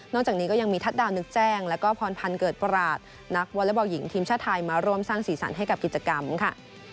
จากนี้ก็ยังมีทัศน์นึกแจ้งแล้วก็พรพันธ์เกิดปราศนักวอเล็กบอลหญิงทีมชาติไทยมาร่วมสร้างสีสันให้กับกิจกรรมค่ะ